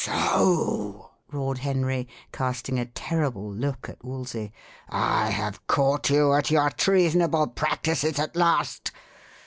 "Soh!" roared Henry, casting a terrible look at Wolsey, "I have caught you at your treasonable practices at last!